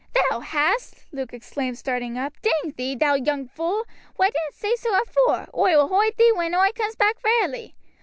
"Thou hast!" Luke exclaimed, starting up. "Dang thee, thou young fool! Why didn't say so afore? Oi will hoide thee when oi comes back rarely!